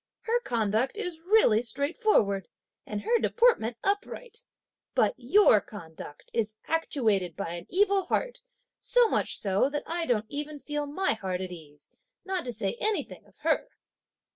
Her conduct is really straightforward, and her deportment upright, but your conduct is actuated by an evil heart, so much so that even I don't feel my heart at ease, not to say anything of her."